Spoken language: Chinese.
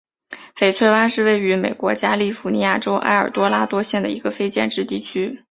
翡翠湾是位于美国加利福尼亚州埃尔多拉多县的一个非建制地区。